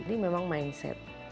ini memang mindset